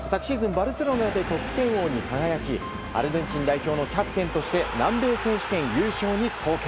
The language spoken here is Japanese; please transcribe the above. バルセロナで得点王に輝きアルゼンチン代表のキャプテンとして南米選手権優勝に貢献。